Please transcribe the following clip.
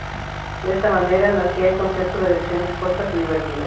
De esta manera nacía el concepto de lecciones cortas y divertidas.